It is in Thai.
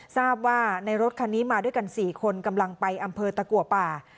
ทราบว่าในรถคันนี้มาด้วยกัน๔คนกำลังไปอำเภอตะกัวป่า